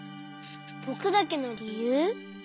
ぼくだけのりゆう？